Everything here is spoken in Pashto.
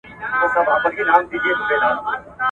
o له ليري واه واه، له نژدې اوډره.